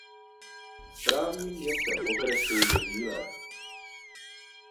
Správním městem okresu je Wheeler.